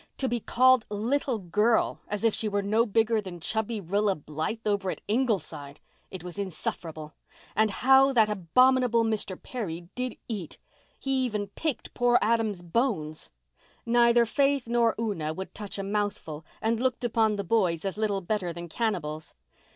To be called "little girl" as if she were no bigger than chubby Rilla Blythe over at Ingleside! It was insufferable. And how that abominable Mr. Perry did eat! He even picked poor Adam's bones. Neither Faith nor Una would touch a mouthful, and looked upon the boys as little better than cannibals.